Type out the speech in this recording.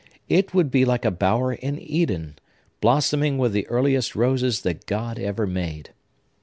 —it would be like a bower in Eden, blossoming with the earliest roses that God ever made.